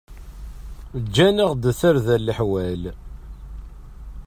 Ǧǧan-aɣ-d tarda leḥwal.